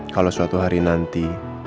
kalau suatu hari nanti